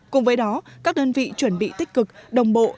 cùng với đó các đơn vị chuẩn bị tích cực đồng bộ